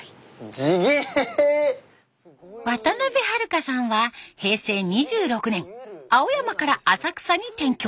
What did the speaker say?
地毛！渡辺ハルカさんは平成２６年青山から浅草に転居。